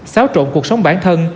xáo trộn cuộc sống bản thân